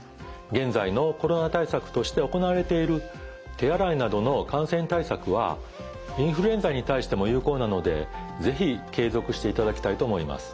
現在のコロナ対策として行われている手洗いなどの感染対策はインフルエンザに対しても有効なので是非継続していただきたいと思います。